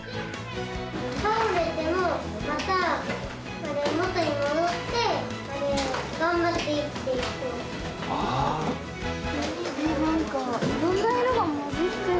倒れても、また元に戻って、頑張って生きていこう。